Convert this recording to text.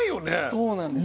そうなんです。